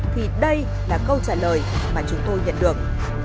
thì đây là câu trả lời mà chúng tôi nhận được